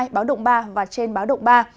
báo động ba và trên báo động ba